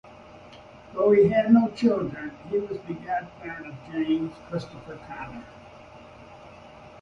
Though they had no children, he was the godparent of James Christopher Connor.